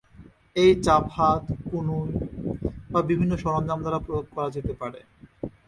এই চাপ হাত, কনুই বা বিভিন্ন সরঞ্জাম দ্বারা প্রয়োগ করা হতে পারে।